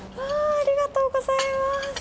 ありがとうございます。